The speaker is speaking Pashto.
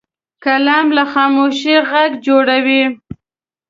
قلم له خاموشۍ غږ جوړوي